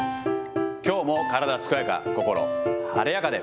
きょうも体健やか、心晴れやかで。